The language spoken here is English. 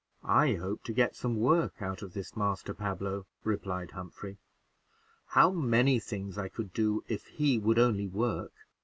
"I hope to get some work out of this Pablo," replied Humphrey; "how many things I could do, if he would only work!